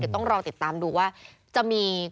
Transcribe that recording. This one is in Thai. เดี๋ยวต้องรอติดตามดูว่าจะมี